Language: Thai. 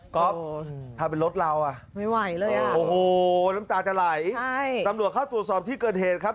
ก๊อบถ้าเป็นรถเราอ่ะโอ้โหน้ำตาจะไหลตำรวจเข้าตรวจสอบที่เกิดเหตุครับ